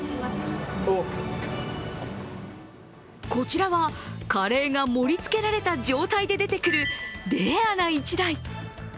こちらは、カレーが盛りつけられた状態で出てくるレアな１台。